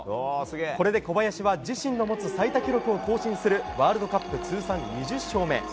これで小林は自身の持つ最多記録を更新するワールドカップ通算２０勝目。